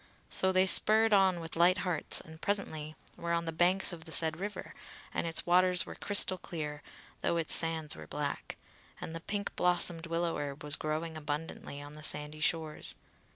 So they spurred on with light hearts and presently were on the banks of the said river, and its waters were crystal clear, though its sands were black: and the pink blossomed willow herb was growing abundantly on the sandy shores.